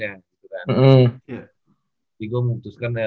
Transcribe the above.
jadi ya sepertinya sekolah biasa cuma basketnya bagus